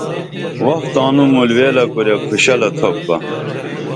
وخ تانوں مُول ویلہ کُریہ کھوشلہ تُھوپ بہ